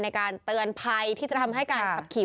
ในการเตือนภัยที่จะทำให้การขับขี่